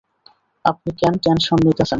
আপনি কেন টেনশন নিতেছেন?